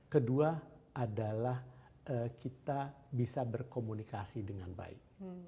kedua adalah kita bisa berkomunikasi dengan baik